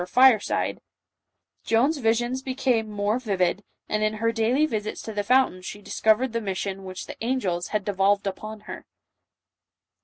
or fireside, Joan's visions became more vivid, and in her daily visits to the fountain she discovered the mission which the angels had devolved upon her.